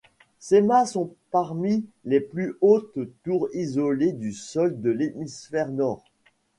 Ces mâts sont parmi les plus hautes tours isolées du sol de l'hémisphère nord.